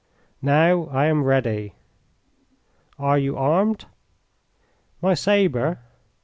"Now I am ready." "Are you armed?" "My sabre."